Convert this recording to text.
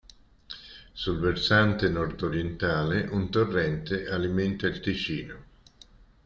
Sul versante nordorientale, un torrente alimenta il Ticino.